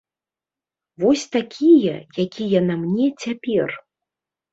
Вось такія, якія на мне цяпер.